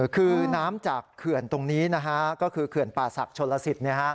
คือน้ำจากเขื่อนตรงนี้นะฮะก็คือเขื่อนป่าศักดิ์ชนลสิทธิ์